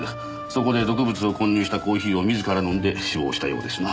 そこで毒物を混入したコーヒーを自ら飲んで死亡したようですな。